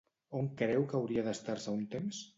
On creu que hauria d'estar-se un temps?